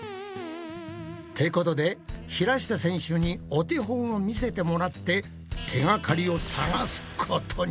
ってことで平下選手にお手本を見せてもらって手がかりを探すことに。